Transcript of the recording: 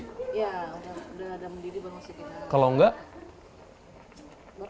ya udah ada mendidih baru masukin